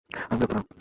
আমি বিরক্ত না!